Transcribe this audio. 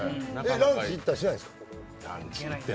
ランチ行ったりしないんですか？